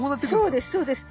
そうですそうです！